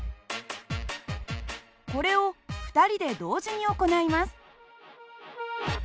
これを２人で同時に行います。